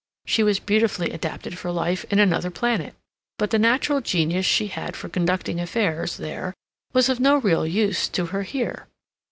She was beautifully adapted for life in another planet. But the natural genius she had for conducting affairs there was of no real use to her here.